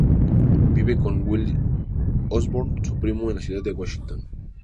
Vive con Will Osborne su primo, en la ciudad de Washington.